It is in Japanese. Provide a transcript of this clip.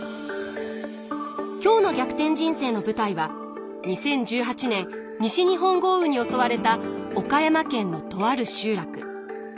今日の「逆転人生」の舞台は２０１８年西日本豪雨に襲われた岡山県のとある集落。